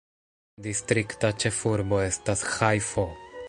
Distrikta ĉefurbo estas Ĥajfo.